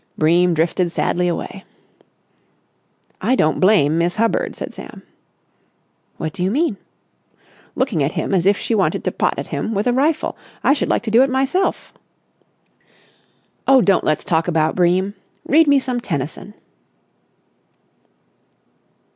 Bream drifted sadly away. "I don't blame Miss Hubbard," said Sam. "What do you mean?" "Looking at him as if she wanted to pot at him with a rifle. I should like to do it myself." "Oh, don't let's talk about Bream. Read me some Tennyson."